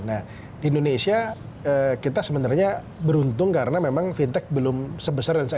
nah di indonesia kita sebenarnya beruntung karena memang fintech belum sebesar